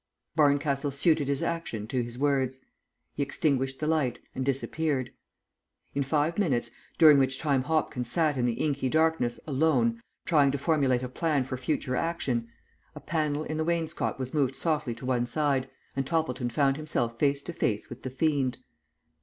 Barncastle suited his action to his words. He extinguished the light and disappeared. In five minutes, during which time Hopkins sat in the inky darkness alone trying to formulate a plan for future action, a panel in the wainscot was moved softly to one side and Toppleton found himself face to face with the fiend.